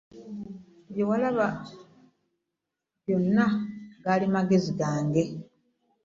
Bye walaba byonna gaali magezi gange.